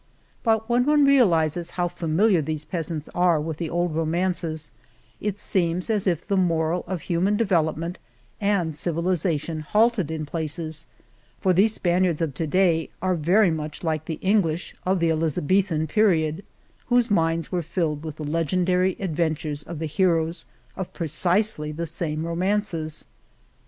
But when one realizes how familiar these peasants are with the old ro mances, it seems as if the moral of human development and civilization halted in places, for these Spaniards of to day are very much like the English of the Elizabethan period, whose minds were filled with the legendary adventures of the heroes of precisely the same romances.